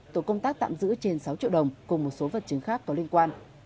tổ công tác tạm giữ trên sáu triệu đồng cùng một số vật chứng khác có liên quan